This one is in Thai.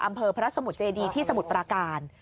อำเภอพระสมุทรเจดีที่สมุทรปราการ